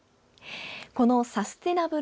このサステナブル